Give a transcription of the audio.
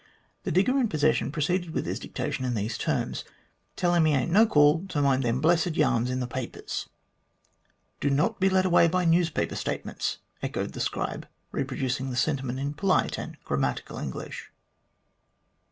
The digger in possession proceeded with his dictation in these terms: "Tell him he ain't no call to mind them blessed yarns in the papers." "Do not be led away by newspaper statements," echoed the scribe, reproducing the sentiment in polite and grammatical English.